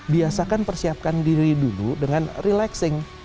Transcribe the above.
biasakan persiapkan diri dulu dengan relaxing